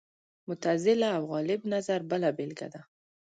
معتزله او غالب نظر بله بېلګه ده